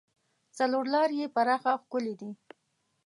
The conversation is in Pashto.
څلور لارې یې پراخه او ښکلې دي.